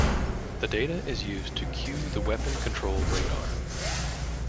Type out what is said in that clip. The data is used to cue the weapon control radar.